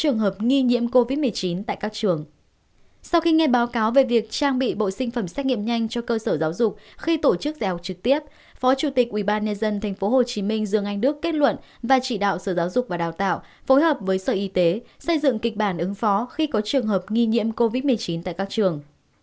sau khi nghe báo cáo về việc trang bị bộ sinh phẩm xét nghiệm nhanh cho cơ sở giáo dục khi tổ chức dạy học trực tiếp phó chủ tịch ubnd tp hcm dương anh đức kết luận và chỉ đạo sở giáo dục và đào tạo phối hợp với sở y tế xây dựng kịch bản ứng phó khi có trường hợp nghi nhiễm covid một mươi chín tại các trường